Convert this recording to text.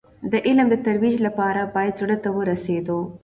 د علم د ترویج لپاره باید زړه ته ورسېدو.